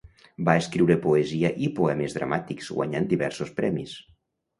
Va escriure poesia i poemes dramàtics, guanyant diversos premis.